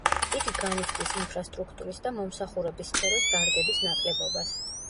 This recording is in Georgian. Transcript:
იგი განიცდის ინფრასტრუქტურის და მომსახურების სფეროს დარგების ნაკლებობას.